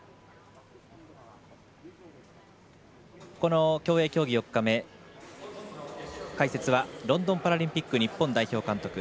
この競泳競技４日目解説はロンドンパラリンピック日本代表監督